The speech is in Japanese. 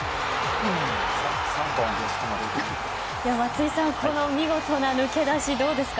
松井さん、この見事な抜け出しどうですか？